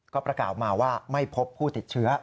ก็ประกาศมาว่าไม่พบผู้ติดเชื้อ